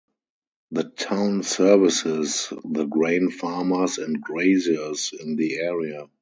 The town services the grain farmers and graziers in the area.